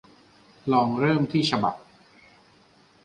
ลองเริ่มที่ฉบับ